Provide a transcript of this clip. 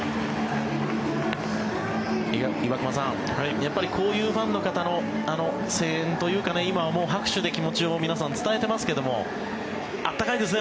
岩隈さん、やっぱりこういうファンの方の声援というか今、拍手で皆さん気持ちを伝えていますが温かいですね。